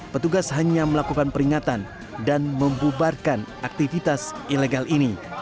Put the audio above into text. petugas hanya melakukan peringatan dan membubarkan aktivitas ilegal ini